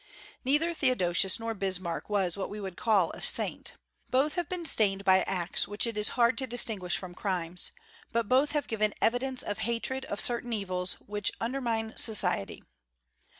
Neither Theodosius nor Bismarck was what we should call a saint. Both have been stained by acts which it is hard to distinguish from crimes; but both have given evidence of hatred of certain evils which undermine society.